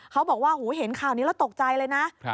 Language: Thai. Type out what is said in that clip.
เขาก็บอกว่าเห็นข่าวนี้เราตกใจเลยนะ